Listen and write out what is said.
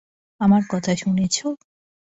আমার কথা শুনেছো?